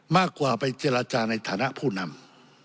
มากกว่าไปเจรจาในฐานะผู้นำ